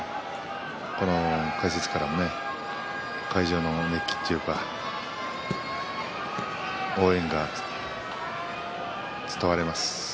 この会場の熱気というか応援が伝わります。